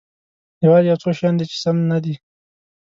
یوازې یو څه شیان دي چې سم نه دي.